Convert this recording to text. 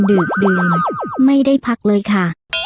ดึกดื่มไม่ได้พักเลยค่ะ